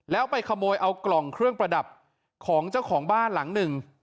แล้วไปขโมยเอากล่องเครื่องประดับของเจ้าของบ้านหลังหนึ่ง